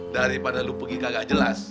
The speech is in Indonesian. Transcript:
daripada lu pergi kagak jelas